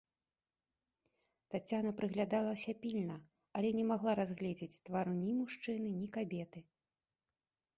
Таццяна прыглядалася пільна, але не магла разгледзець твару ні мужчыны, ні кабеты.